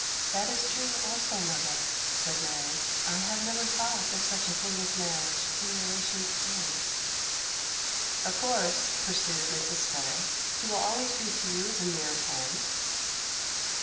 'That is true also, mother,' said Mary; 'I had never thought of such a thing as marriage in relation to James.' 'Of course,' pursued Mrs. Scudder, 'he will always be to you as a near friend.